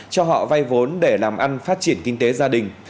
cho họ vay vốn để làm ăn phát triển kinh tế gia đình